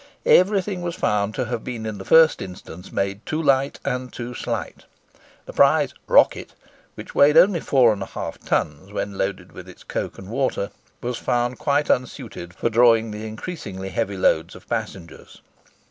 Everything was found to have been in the first instance made too light and too slight. The prize 'Rocket,' which weighed only 4½ tons when loaded with its coke and water, was found quite unsuited for drawing the increasingly heavy loads of passengers.